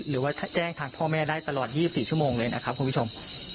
หรือว่าแจ้งทางพ่อแม่ได้ตลอด๒๔ชั่วโมงเลยนะครับคุณผู้ชม